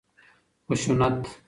خشونت